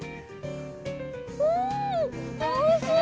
うんおいしい！